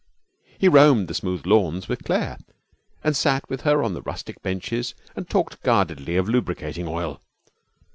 He roamed the smooth lawns with Claire, and sat with her on the rustic benches and talked guardedly of lubricating oil.